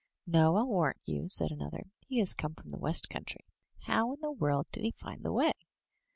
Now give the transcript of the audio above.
'* "No, ril warrant you,*' said another, "he has come from the west country. How in the world did he find the way?